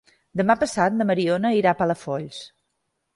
Demà passat na Mariona irà a Palafolls.